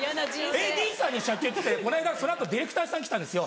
ＡＤさんに「社長」言っててこの間その後ディレクターさん来たんですよ。